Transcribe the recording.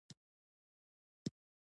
د هغه پر هره جمله کتابونه لیکل کېدلای شي.